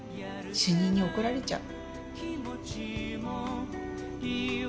主任に怒られちゃう。